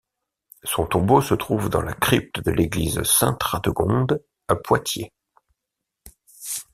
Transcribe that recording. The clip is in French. Son tombeau se trouve dans la crypte de l’église Sainte-Radegonde à Poitiers.